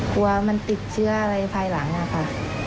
กลัวมันติดเชื้ออะไรภายหลังค่ะ